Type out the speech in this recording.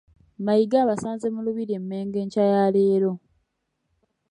Mayiga abasanze mu Lubiri e Mmengo enkya ya leero